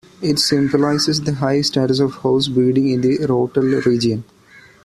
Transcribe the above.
It symbolizes the high status of horse breeding in the Rottal region.